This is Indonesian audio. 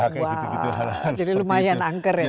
wah jadi lumayan angker ya